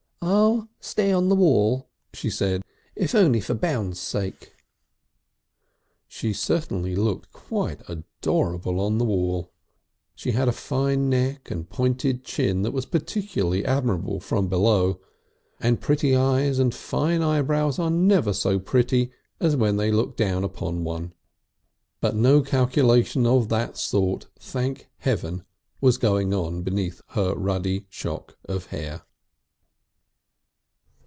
"I'll stay on the wall," she said. "If only for bounds' sake." She certainly looked quite adorable on the wall. She had a fine neck and pointed chin that was particularly admirable from below, and pretty eyes and fine eyebrows are never so pretty as when they look down upon one. But no calculation of that sort, thank Heaven, was going on beneath her ruddy shock of hair.